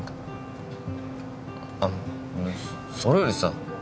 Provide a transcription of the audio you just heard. あっそれよりさ